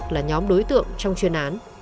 là nhóm đối tượng trong truyền án